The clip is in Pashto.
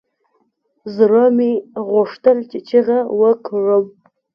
زړه مې غوښتل چې چيغه وکړم.